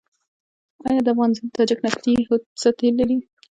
آیا د افغان تاجک نفتي حوزه تیل لري؟